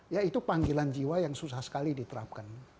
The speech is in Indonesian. ya itu panggilan jiwa yang susah sekali diterapkan